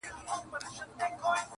شمېریې ډېر دی تر همه واړو مرغانو-